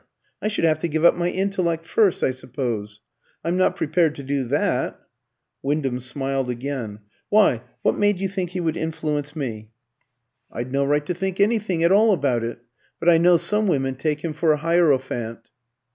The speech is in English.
I should have to give up my intellect first, I suppose. I'm not prepared to do that." Wyndham smiled again. "Why, what made you think he would influence me?" "I'd no right to think anything at all about it, but I know some women take him for a hierophant."